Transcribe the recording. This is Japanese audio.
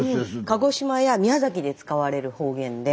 鹿児島や宮崎で使われる方言で。